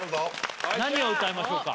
何を歌いましょうか？